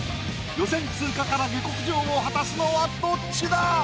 予選通過から下剋上を果たすのはどっちだ？